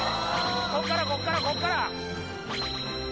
ここからここからここから！